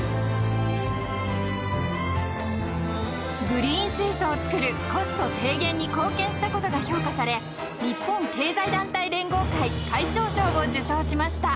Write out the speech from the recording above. ［グリーン水素を作るコスト低減に貢献したことが評価され日本経済団体連合会会長賞を受賞しました］